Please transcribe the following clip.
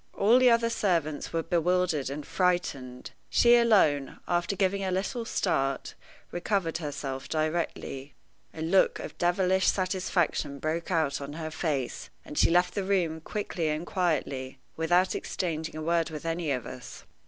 All the other servants were bewildered and frightened. She alone, after giving a little start, recovered herself directly. A look of devilish satisfaction broke out on her face, and she left the room quickly and quietly, without exchanging a word with any of us.